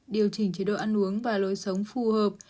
điều chỉnh chế độ ăn uống và lối sống phù hợp